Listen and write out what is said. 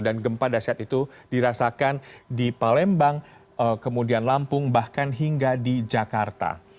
dan gempa dasyat itu dirasakan di palembang kemudian lampung bahkan hingga di jakarta